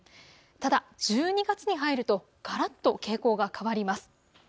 ただ１２月に入るとがらっと傾向が変わります。